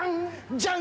じゃん！